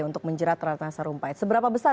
untuk menjerat terhadap nasa rumpai seberapa besar